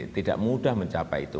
tidak mudah mencapai itu